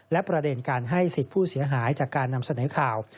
และประเด็นการให้สิทธิ์ผู้เสียหายจากการนำเสนอข่าว